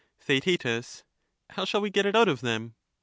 TheaeL How shall we get it out of them